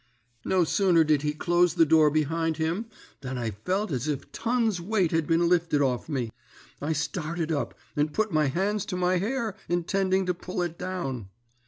"No sooner did he close the door behind him than I felt as if tons weight had been lifted off me. I started up, and put my hands to my hair, intending to pull it down.